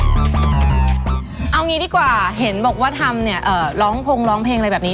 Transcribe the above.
เอางี้ดีกว่าเห็นบอกว่าทำเนี่ยร้องพงร้องเพลงอะไรแบบนี้